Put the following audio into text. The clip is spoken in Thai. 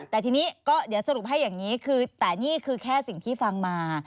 แต่ทีนี้ก็เดี๋ยวสรุปให้อย่างนี้คือแต่นี่คือแค่สิ่งที่ฟังมา